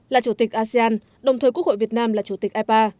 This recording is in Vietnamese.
là chủ tịch asean đồng thời quốc hội việt nam là chủ tịch ipa